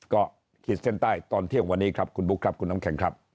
ก็ขีดเส้นใต้ตอนเที่ยงวันนี้ครับคุณบุ๊คครับคุณน้ำแข็งครับ